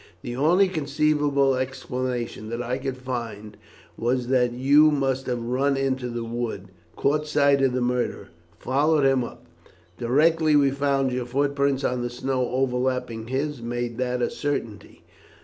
The only conceivable explanation that I could find was that you must have run into the wood, caught sight of the murderer, and followed him up. Directly we found your footprints on the snow overlapping his it made that a certainty.